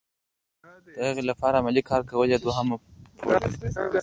د هغې لپاره عملي کار کول یې دوهمه پوړۍ ده.